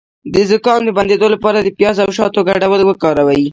د زکام د بندیدو لپاره د پیاز او شاتو ګډول وکاروئ